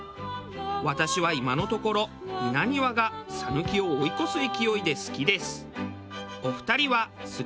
私は今のところ稲庭が讃岐を追い越す勢いで好きです。